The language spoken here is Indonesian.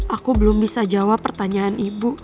aku belum bisa jawab pertanyaan ibu